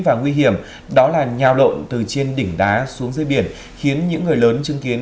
và nguy hiểm đó là nhào lộn từ trên đỉnh đá xuống dưới biển khiến những người lớn chứng kiến